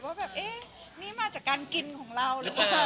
ว่าแบบเอ๊ะนี่มาจากการกินของเราหรือเปล่า